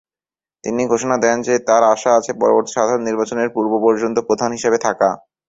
তিনি ঘোষণা দেন যে তার আশা আছে পরবর্তী সাধারণ নির্বাচনের পূর্ব পর্যন্ত প্রধান হিসাবে থাকা।